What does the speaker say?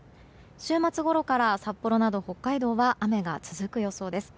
週末ごろから札幌など北海道は雨が続く予想です。